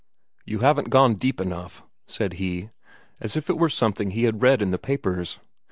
"You haven't gone deep enough," said he, as if it were something he had read in his papers.